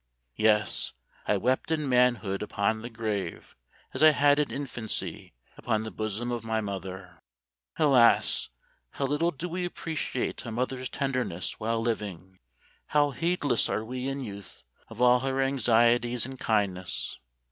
Yes, I wept in manhood upon the grave as I had in infancy upon the bosom of my mother. Alas ! how little do we appreciate a mother's tenderness while living ! How heedless are we in youth of all her anxieties and kindness